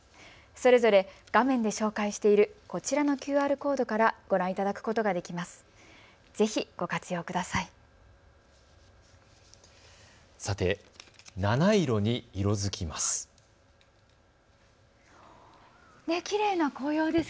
それぞれ画面で紹介しているこちらのＱＲコードからご覧いただくことができます。